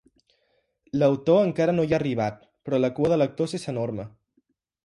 L'autor encara no hi ha arribat, però la cua de lectors és enorme.